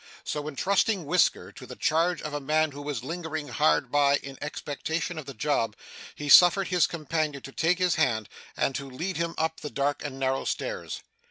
So, entrusting Whisker to the charge of a man who was lingering hard by in expectation of the job, he suffered his companion to take his hand, and to lead him up the dark and narrow stairs.